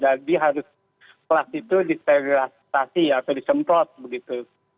jadi harus kelas itu diserastasi atau disemprot begitu